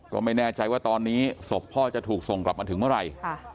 ก็ไม่แน่ใจว่าตอนนี้ศพพ่อจะถูกส่งกลับมาถึงเมื่อไหร่